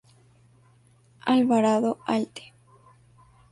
Alvarado, Alte.